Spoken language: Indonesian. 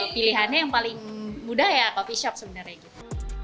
pilihannya yang paling mudah ya coffee shop sebenarnya gitu